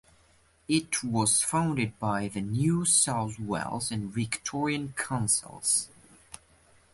It was founded by the New South Wales and Victorian councils.